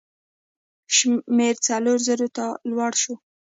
شمېر څلوېښتو زرو ته لوړ شو.